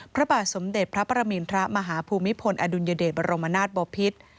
พระบาทสมเด็จพระประมินทรมาฮภูมิพลอดุลยเดชบรมนาศบอพิษ